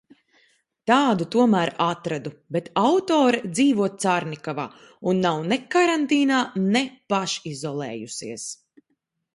Tādu tomēr atradu, bet autore dzīvo Carnikavā un nav ne karantīnā, ne pašizolējusies.